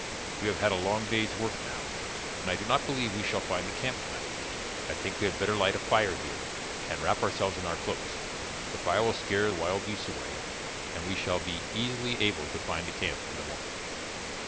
We have had a long day's work now, and I do not believe we shall find the camp tonight. I think we had better light a fire here and wrap ourselves in our cloaks. The fire will scare wild beasts away, and we shall be easily able to find the camp in the morning."